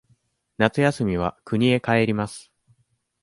夏休みは国へ帰ります。